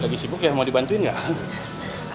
lagi sibuk ya mau dibantuin nggak